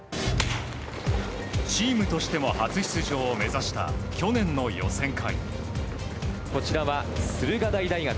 チームとしても初出場を目指した去年の予選会。